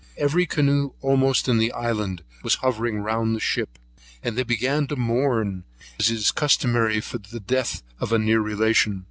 Every canoe almost in the island was hovering round the ship; and they began to mourn, as is customary for the death of a near relation.